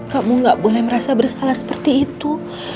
kamu gak boleh merasa bersalah seperti itu